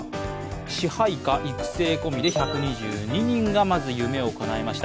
支配下、育成込みで１２２人がまず夢をかなえました。